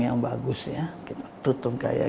yang bagus ya tutup kayak